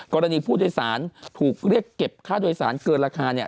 กรณีผู้โดยสารถูกเรียกเก็บค่าโดยสารเกินราคาเนี่ย